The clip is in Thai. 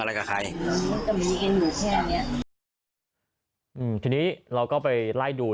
อะไรกับใครอื้อมันก็มีเอ็นอยู่แค่เนี้ยอื้อทีนี้เราก็ไปไล่ดู